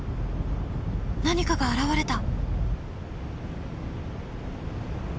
何かが現れた！